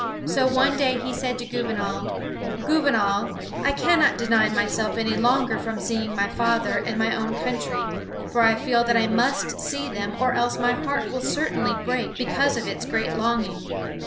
So one day he said to Gouvernail: "Gouvernail, I cannot deny myself any longer from seeing my father and my own country, for I feel that I must see them or else my heart will certainly break because of its great longing."